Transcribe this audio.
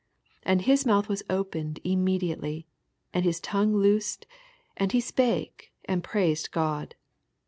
64 And his mouth was opened im mediately, and his tongue toot&dy and he spake, and praised God.